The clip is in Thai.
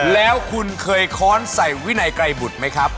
แล้วคุณเคยค้อนใส่วินัยไกรบุตรไหมครับ